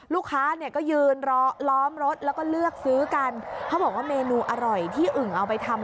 ลูกค้าเนี่ยก็ยืนล้อมรถแล้วก็เลือกซื้อกันเขาบอกว่าเมนูอร่อยที่อึ่งเอาไปทำ